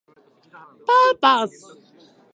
パーパス